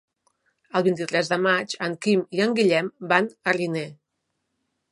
El vint-i-tres de maig en Quim i en Guillem van a Riner.